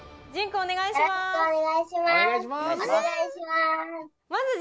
おねがいします。